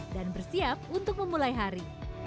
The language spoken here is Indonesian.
dan bersiap untuk memulai hari